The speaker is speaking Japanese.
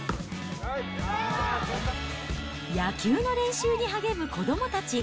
野球の練習に励む子どもたち。